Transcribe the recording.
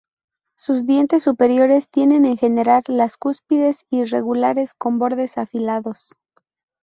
Sus dientes superiores tienen en general las cúspides irregulares con bordes afilados.